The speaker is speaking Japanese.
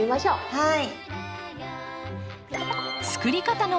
はい。